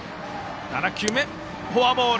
７球目、フォアボール！